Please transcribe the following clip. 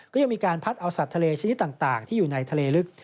ยังมีการพัดเอาสัตว์ทะเลชนิดต่างที่อยู่ในทะเลลึก